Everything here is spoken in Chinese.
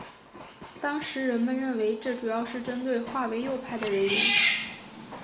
当时人们认为这主要是针对划为右派的人员。